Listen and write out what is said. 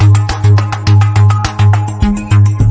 วิ่งเร็วมากครับ